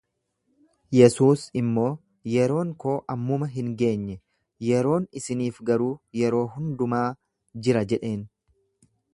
Yesuus immoo, Yeroon koo ammuma hin geenye, yeroon isiniif garuu yeroo hundumaa jira jedheen.